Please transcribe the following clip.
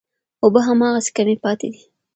اوبه هماغسې کمې پاتې دي.